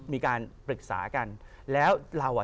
มีการปรึกษากันแล้วเราอ่ะ